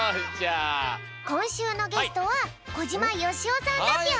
こんしゅうのゲストは小島よしおさんだぴょん！